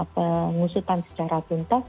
pengusutan secara tuntas